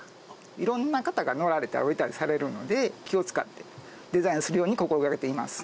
色んな方が乗られたり降りたりされるので気を使ってデザインするように心がけています